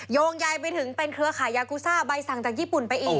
โยงใยไปถึงเป็นเครือขายยากูซ่าใบสั่งจากญี่ปุ่นไปอีก